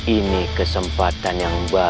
ini kesempatan yang bagus buat kita